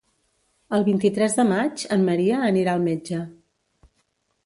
El vint-i-tres de maig en Maria anirà al metge.